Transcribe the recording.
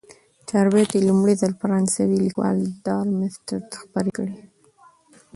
چاربیتې لومړی ځل فرانسوي لیکوال ډارمستتر خپرې کړې.